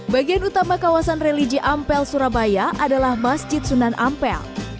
bagian utama kawasan religi ampel surabaya adalah masjid sunan ampel